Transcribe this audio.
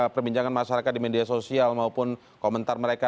perbincangan masyarakat di media sosial maupun komentar mereka